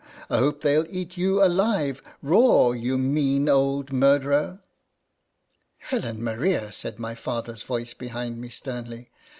I hope they '11 eat you alive raw, you mean old murderer!" " Helen Maria !" said my father's voice behind me, sternly.